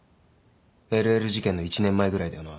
ＬＬ事件の１年前ぐらいだよな？